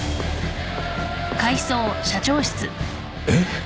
えっ？